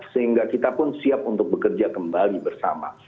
sehingga kita pun siap untuk bekerja kembali bersama